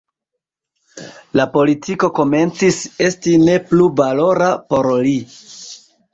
La politiko komencis esti ne plu valora por li.